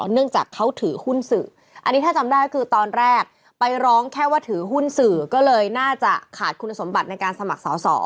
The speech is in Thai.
เนื่องจากเขาถือหุ้นสื่ออันนี้ถ้าจำได้คือตอนแรกไปร้องแค่ว่าถือหุ้นสื่อก็เลยน่าจะขาดคุณสมบัติในการสมัครสอสอ